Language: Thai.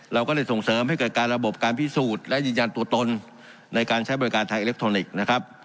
เราก็เลยส่งเสริมให้เกิดการระบบการพิสูจน์และยืนยันตัวตนในการใช้บริการไทยอิเล็กทรอนิกส์นะครับ